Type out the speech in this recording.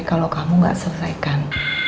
kalau kamu gak selesaikan